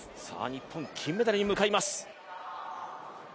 日本金メダルに向かいます。